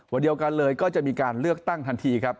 วันเดียวกันเลยก็จะมีการเลือกตั้งทันทีครับ